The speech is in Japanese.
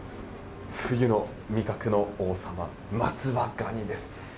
冬の味覚の王様、松葉ガニです。